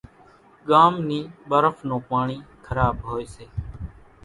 ڳام نِي ٻرڦ نون پاڻِي کراٻ هوئيَ سي۔